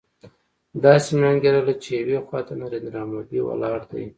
داسې مې انګېرله چې يوې خوا ته نریندرا مودي ولاړ دی.